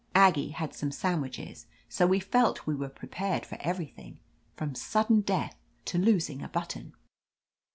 Aggie had some sandwiches ; so we felt we were prepared for everything, from sudden death to losing a button.